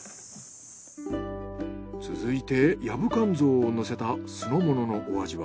続いてヤブカンゾウをのせた酢の物のお味は？